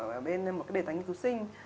một đề tánh nghiên cứu sinh